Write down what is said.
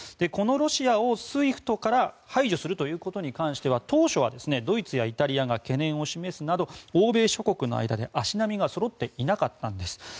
このロシアをＳＷＩＦＴから排除するということに関しては当初はドイツやイタリアが懸念を示すなど欧米諸国の間で足並みがそろっていなかったんです。